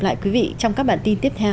lại quý vị trong các bản tin tiếp theo